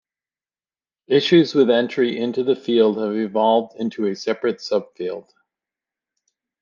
Issues with entry into the field have evolved into a separate subfield.